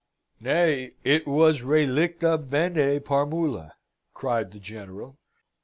"Nay; it was relicta bene parmula," cried the General.